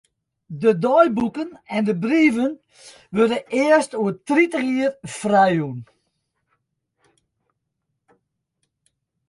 De deiboeken en de brieven wurde earst oer tritich jier frijjûn.